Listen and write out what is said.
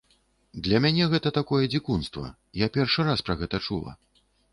Для мяне гэта такое дзікунства, я першы раз пра гэта чула.